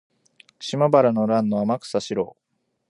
島原の乱の天草四郎